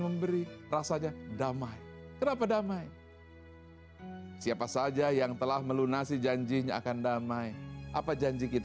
memberi rasanya damai kenapa damai siapa saja yang telah melunasi janjinya akan damai apa janji kita